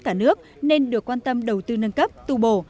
cả nước nên được quan tâm đầu tư nâng cấp tu bổ